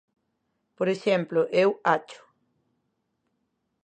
Por exemplo, eu acho.